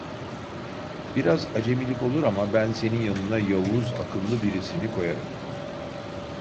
Biraz acemilik olur ama, ben senin yanına yavuz, akıllı birisini koyarım.